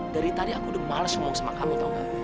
dari tadi aku udah males ngomong sama kamu tau gak